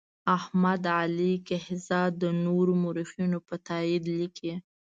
احمد علي کهزاد د نورو مورخینو په تایید لیکي.